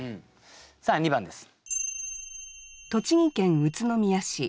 さあ２番です。